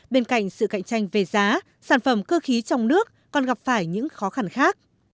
bên cạnh sự cạnh tranh về giá sản phẩm cơ khí trong nước còn gặp phải những khó khăn khác